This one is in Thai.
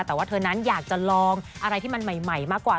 แต่ว่าเธอนั้นอยากจะลองอะไรที่มันใหม่มากกว่า